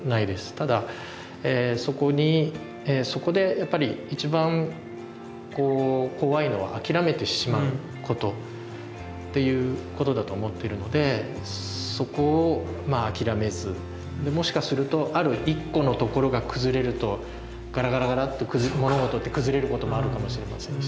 ただそこにそこでやっぱり一番こう怖いのは諦めてしまうことっていうことだと思ってるのでそこをまあ諦めずでもしかするとある一個のところが崩れるとガラガラガラッと物事って崩れることもあるかもしれませんし。